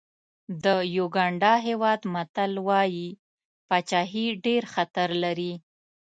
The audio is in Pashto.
د یوګانډا هېواد متل وایي پاچاهي ډېر خطر لري.